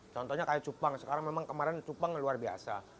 contohnya kayak cupang sekarang memang kemarin cupang luar biasa